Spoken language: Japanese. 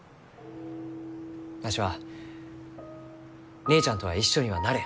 わしは姉ちゃんとは一緒にはなれん。